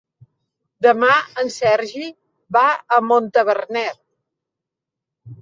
Demà en Sergi va a Montaverner.